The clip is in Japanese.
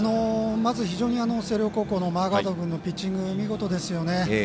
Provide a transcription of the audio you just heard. まず非常に星稜高校のマーガード君のピッチング見事ですよね。